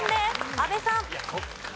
阿部さん。